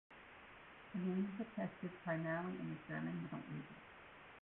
The name is attested primarily in the German Middle Ages.